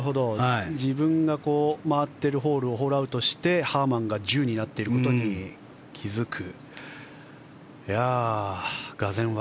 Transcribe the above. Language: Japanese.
自分が回っているホールをホールアウトしてハーマンが１０になっていることに気付く。